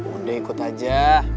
udah ikut aja